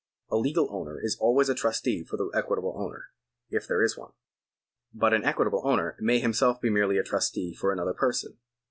A legal owner is always a trustee for the equitable owner, if there is one. But an equitable owner may himself be merely a trustee for another person.